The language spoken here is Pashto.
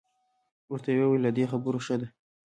ورته یې وویل له دې خبرو ښه ده.